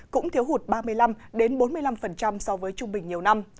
cũng thiếu hụt ba mươi năm bốn mươi năm so với trung bình nhiều năm